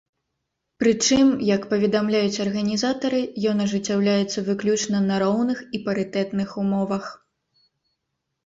Прычым, як паведамляюць арганізатары, ён ажыццяўляецца выключна на роўных і парытэтных умовах.